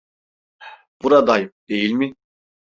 Buradayım, değil mi?